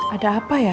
ada apa ya